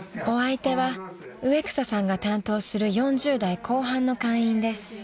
［お相手は植草さんが担当する４０代後半の会員です］